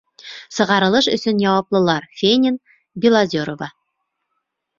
Сығарылыш өсөн яуаплылар А. Фенин, Г. Белозерова